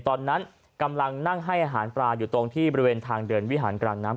ตอนนั้นกำลังนั่งให้อาหารปลาอยู่ตรงที่บริเวณทางเดินวิหารกลางน้ำ